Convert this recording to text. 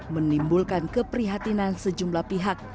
menimbulkan keprihatinan sejumlah pihak